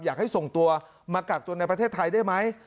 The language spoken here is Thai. อยากให้ส่งตัวมากักตัวในประเทศไทยได้ไหม